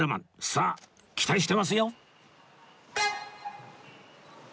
さあ期待してますよ！